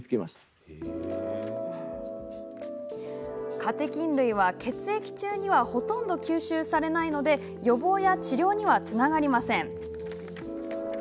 カテキン類は、血液中にはほとんど吸収されないので予防や治療にはつながりません。